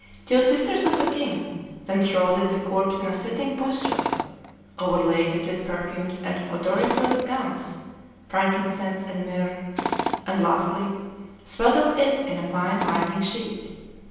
Two sisters of the king then shrouded the corpse in a sitting posture, overlaid it with perfumes and odoriferous gums, frankincense and myrrh, and, lastly, swaddled it in a fine winding sheet.